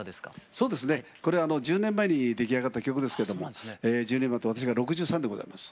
そうですねこれは１０年前に出来上がった曲ですけれども１０年前って私が６３でございます。